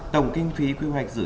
tổng kinh phí quy hoạch sẽ là